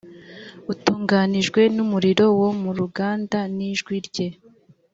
utunganijwe n umuriro wo mu ruganda n ijwi rye